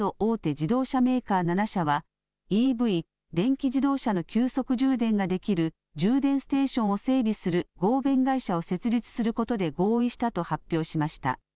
自動車メーカー７社はＥＶ・電気自動車の急速充電ができる充電ステーションを整備する合弁会社を設立することで合意したと発表しました。